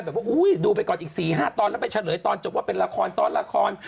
บอกว่าอุ้ยดูไปก่อนอีก๔๕ตอนแล้วไปเฉลยตอนจบว่าเป็นละครซ้อนละคร